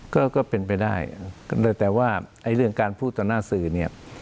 ก็เป็นไปได้แต่ว่าไอ้เรื่องการพูดต่อหน้าสื่อเนี่ย